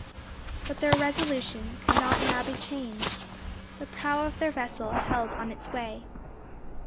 But their resolution could not now be changed; the prow of their vessel held on its way.